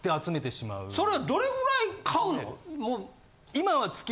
それはどれぐらい買うの？